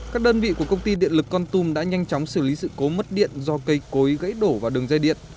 các đơn vị của công ty điện lực con tum đã nhanh chóng xử lý sự cố mất điện do cây cối gãy đổ vào đường dây điện